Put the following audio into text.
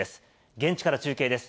現地から中継です。